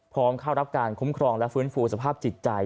พร้อมเข้ารับการคุ้มครองและฟื้นฟูสภาพจิตใจ